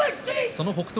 その北勝